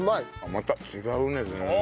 また違うね全然。